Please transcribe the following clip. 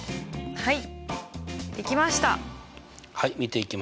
はい。